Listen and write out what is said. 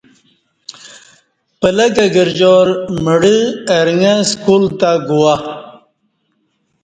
پلہ گرجار مڑاں ارݣہ سکول گو وا